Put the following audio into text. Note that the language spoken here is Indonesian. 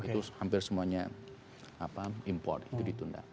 itu hampir semuanya import itu ditunda